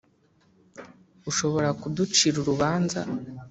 Ushobora kuducira urubanza